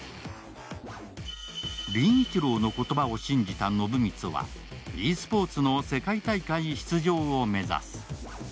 凛一郎の言葉を信じた暢光はｅスポーツの世界大会出場を目指す